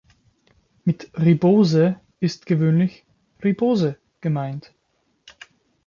Mit „Ribose“ ist gewöhnlich -Ribose gemeint.